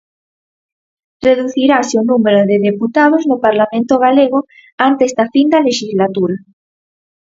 Reducirase o número de deputados no Parlamento galego antes da fin da lexislatura.